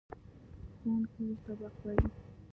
ښوونکی سبق وايي.